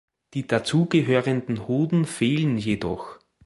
Die dazugehörenden Hoden fehlen jedoch.